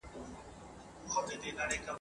د سر وګړي نه ول